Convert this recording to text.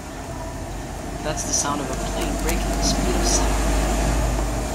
That's the sound of a plane breaking the speed of sound.